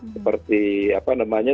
seperti apa namanya